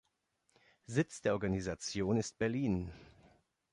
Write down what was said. Sitz der Organisation ist Berlin.